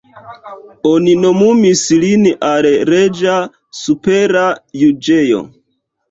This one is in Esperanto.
Oni nomumis lin al reĝa supera juĝejo.